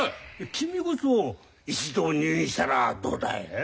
君こそ一度入院したらどうだいえ！